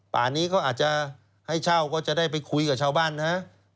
ป่านี้เขาอาจจะให้เช่าก็จะได้ไปคุยกับชาวบ้านนะฮะ